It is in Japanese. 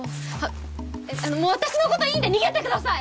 もう私のこといいんで逃げてください！